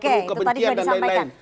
oke itu tadi sudah disampaikan